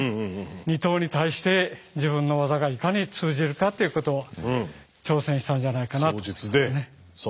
二刀に対して自分の技がいかに通じるかっていうことを挑戦したんじゃないかなと思いますね。